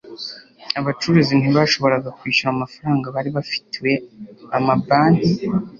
abacuruzi ntibashoboraga kwishyura amafaranga bari bafitiwe amabanki